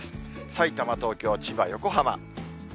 さいたま、東京、千葉、横浜。